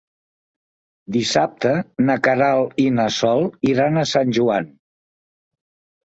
Dissabte na Queralt i na Sol iran a Sant Joan.